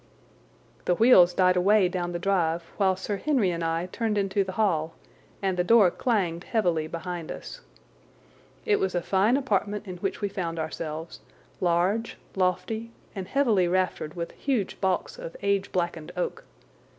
The wheels died away down the drive while Sir Henry and I turned into the hall, and the door clanged heavily behind us. It was a fine apartment in which we found ourselves, large, lofty, and heavily raftered with huge baulks of age blackened oak.